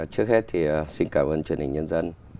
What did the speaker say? trước hết thì xin cảm ơn truyền hình nhân dân